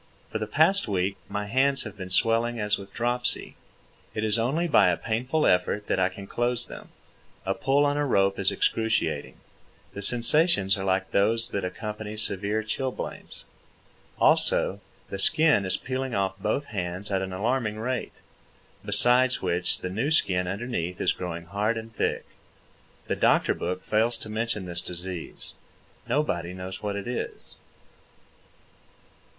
For the past week my hands have been swelling as with dropsy. It is only by a painful effort that I can close them. A pull on a rope is excruciating. The sensations are like those that accompany severe chilblains. Also, the skin is peeling off both hands at an alarming rate, besides which the new skin underneath is growing hard and thick. The doctor book fails to mention this disease. Nobody knows what it is.